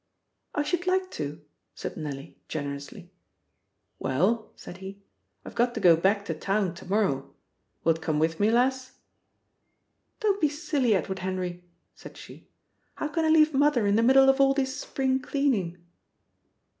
"I should like to," said Nellie generously. "Well," said he, "I've got to go back to town to morrow. Wilt come with me, lass?" "Don't be silly, Edward Henry," said she. "How can I leave Mother in the middle of all this spring cleaning?"